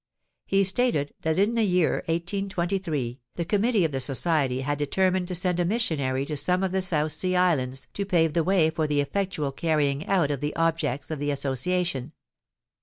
He stated that in the year 1823 the Committee of the Society had determined to send a missionary to some of the South Sea Islands to pave the way for the effectual carrying out of the objects of the Association.